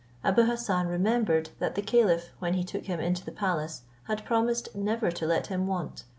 Abou Hassan remembered that the caliph, when he took him into the palace, had promised never to let him want.